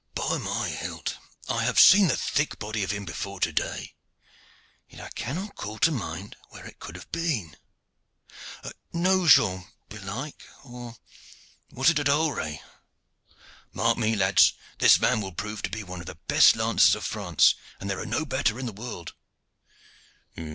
"By my hilt! I have seen the thick body of him before to day. Yet I cannot call to mind where it could have been. At Nogent belike, or was it at Auray? Mark me, lads, this man will prove to be one of the best lances of France, and there are no better in the world."